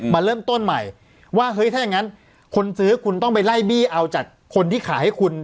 มาเริ่มต้นใหม่ว่าเฮ้ยถ้าอย่างนั้นคนซื้อคุณต้องไปไล่บี้เอาจากคนที่ขายให้คุณ